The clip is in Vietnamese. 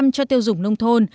ba mươi cho tiêu dụng nông thôn